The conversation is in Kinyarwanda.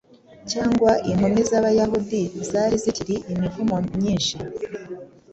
Cyangwa inkumi z'Abayahudi zari zikiri imivumo nyinshi,